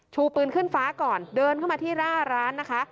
ชูปืนขึ้นฟ้าก่อนเดินเข้ามาที่หน้าร้านนะคะ